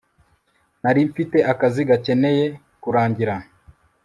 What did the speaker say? nari mfite akazi gakeneye kurangira